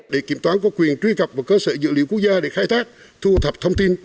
để kiểm toán có quyền truy cập vào cơ sở dữ liệu quốc gia để khai thác thu thập thông tin